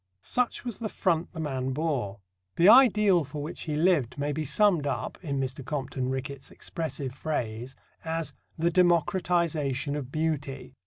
Such was the front the man bore. The ideal for which he lived may be summed up, in Mr. Compton Rickett's expressive phrase, as "the democratization of beauty."